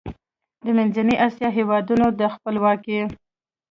د منځنۍ اسیا هېوادونو د خپلواکۍ